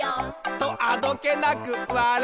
「とあどけなく笑う」